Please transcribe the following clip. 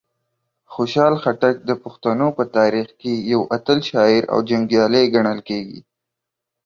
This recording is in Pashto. خوشحال خټک د پښتنو په تاریخ کې یو اتل شاعر او جنګیالی ګڼل کیږي.